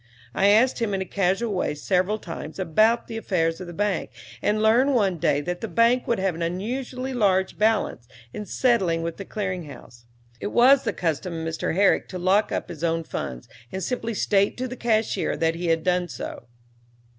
I asked him in a casual way several times about the affairs of the bank, and learned one day that the bank would have an unusually large balance in settling with the clearing house. It was the custom for Mr. Herrick to lock up his own funds, and simply state to the cashier that he had done so.